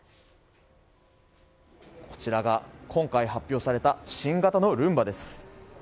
こちらが今回発表された新型のルンバです。